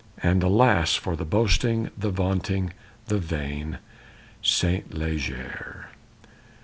And, alas, for the boasting, the vaunting, the vain Saint Leger!